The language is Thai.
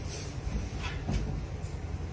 สวัสดีครับ